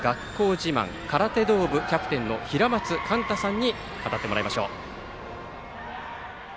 自慢空手道部キャプテンの平松寛太さんに語ってもらいましょう。